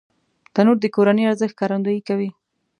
تنور د کورنی ارزښت ښکارندويي کوي